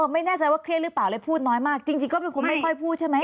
ไม่แน่ใจว่าเครียดหรือเปล่าเลยพูดน้อยมากจริงก็เป็นคนไม่ค่อยพูดใช่ไหม